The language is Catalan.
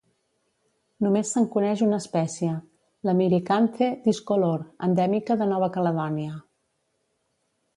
Només se'n coneix una espècie, la "Myricanthe discolor", endèmica de Nova Caledònia.